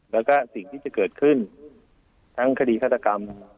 แล้วก็สิ่งที่จะเกิดขึ้นทั้งคดีฆาตกรรม